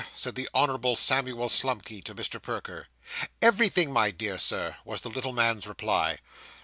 said the Honourable Samuel Slumkey to Mr. Perker. 'Everything, my dear Sir,' was the little man's reply.